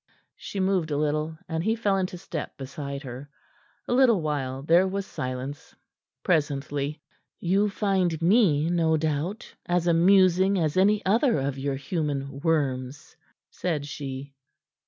She moved a little, and he fell into step beside her. A little while there was silence. Presently "You find me, no doubt, as amusing as any other of your human worms," said she.